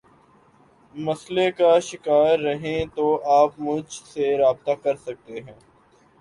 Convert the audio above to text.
مسلئے کا شکار ہیں تو آپ مجھ سے رابطہ کر سکتے ہیں